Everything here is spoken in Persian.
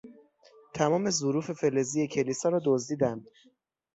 تمام ظروف فلزی کلیسا را دزدیدند.